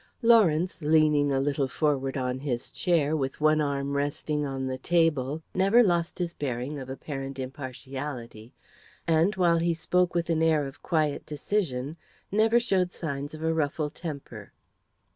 Lawrence, leaning a little forward on his chair, with one arm resting on the table, never lost his bearing of apparent impartiality, and, while he spoke with an air of quiet decision, never showed signs of a ruffled temper.